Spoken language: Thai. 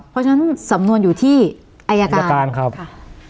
เพราะฉะนั้นสำนวนอยู่ที่อายการอายการครับค่ะ